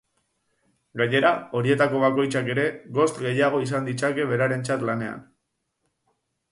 Gainera, horietako bakoitzak ere ghost gehiago izan ditzake berarentzat lanean.